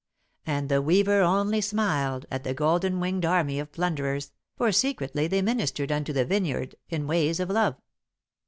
And the Weaver only smiled at the golden winged army of plunderers, for secretly they ministered unto the vineyard in ways of love.